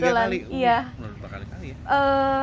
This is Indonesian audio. tiga kali udah berapa kali ya